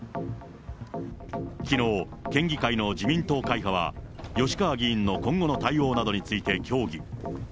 きのう、県議会の自民党会派は、吉川議員の今後の対応などについて協議。